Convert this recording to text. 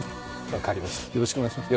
よろしくお願いします。